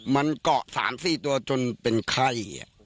มันเกาะสาร๔ตัวจนเป็นไข้